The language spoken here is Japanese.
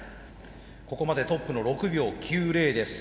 ここまでトップの６秒９０です。